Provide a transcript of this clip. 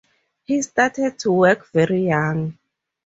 He started to work very young.